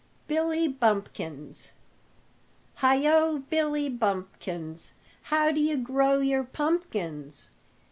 BILLY BUMPKINS Heigho, Billy Bumpkins, How d' you grow your pumpkins?